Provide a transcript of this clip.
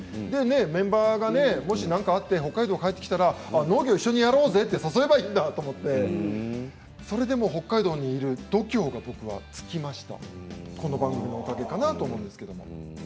メンバーがもし何かあって北海道に帰ってきたら農業一緒にやろうぜって誘えばいいんだってそれで北海道にいる度胸が僕はつきましたこの番組のおかげかなと思うんですけど。